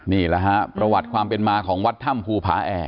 นี่แหละฮะประวัติความเป็นมาของวัดถ้ำภูผาแอก